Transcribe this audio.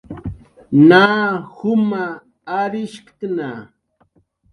Na juma arishktna